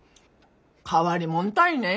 変わりもんたいね。